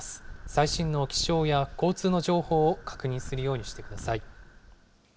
最新の気象や交通の情報を確認するようにしてください。